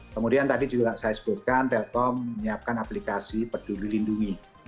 kemudian tadi juga saya sebutkan telkom menyiapkan aplikasi peduli lindungi